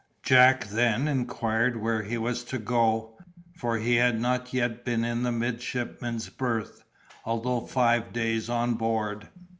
Jack then inquired where he was to go, for he had not yet been in the midshipman's berth, although five days on board.